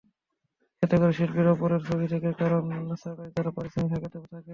এতে করে শিল্পীরাও পরের ছবি থেকে কারণ ছাড়াই চড়া পারিশ্রমিক হাঁকাতে থাকেন।